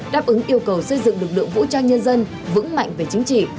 đáp ứng yêu cầu xây dựng lực lượng vũ trang nhân dân vững mạnh về chính trị